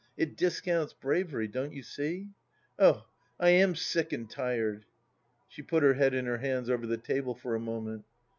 It discounts bravery, don't you see ?... Oh, I am sick and tired 1 " She put her head in her hands over the table for a moment.